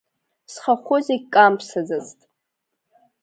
Схахәы зегь камԥсаӡацт.